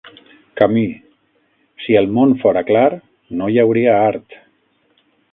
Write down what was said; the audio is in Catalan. Camus: si el món fora clar, no hi hauria art.